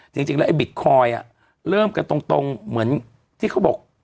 จริงแล้วไอบิตคอยน์เริ่มกันตรงเหมือนที่เขาบอก